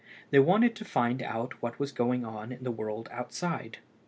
They wanted to find out what was going on in the world outside.